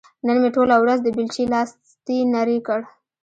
نن مې ټوله ورځ د بېلچې لاستي نري کړ.